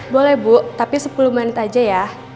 boleh bu tapi sepuluh menit aja ya